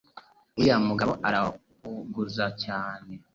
uriya mugabo arahuguza cyane